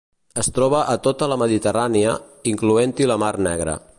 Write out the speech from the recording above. Es troba a tota la Mediterrània, incloent-hi la Mar Negra.